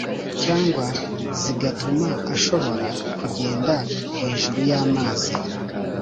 cyangwa zigatuma ashobora kugenda hejuru y’amazi